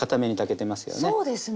そうですね。